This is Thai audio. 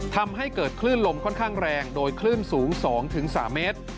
ทำให้เกิดคลื่นลมค่อนข้างแรงโดยคลื่นสูง๒๓เมตร